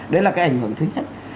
đấy là cái ảnh hưởng thứ nhất